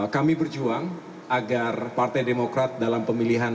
kami berjuang agar partai demokrat dalam pemilihan